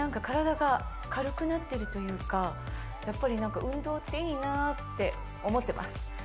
体が軽くなってるというかやっぱり運動っていいなって思ってます